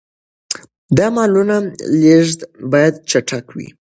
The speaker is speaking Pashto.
د مالونو لېږد باید چټک وي.